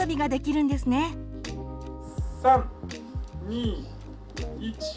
３２１。